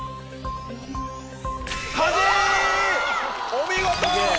お見事！